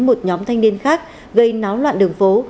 một nhóm thanh niên khác gây náo loạn đường phố